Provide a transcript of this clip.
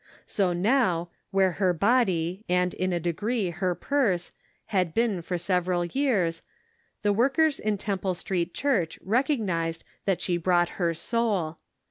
So now, where her body, and in a degree her purse, had"' been for several years, the workers in Temple Street Church recognized that she brought her soul.